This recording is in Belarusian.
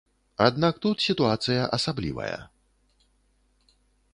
Аднак тут сітуацыя асаблівая.